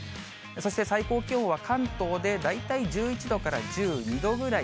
そして最高気温は、関東で大体１１度から１２度ぐらい。